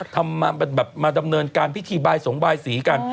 ทำมาดำเนินการพิธีบายสงบายศรีกัน